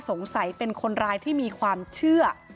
สงสัยเป็นคนร้ายที่มีความเชื่อ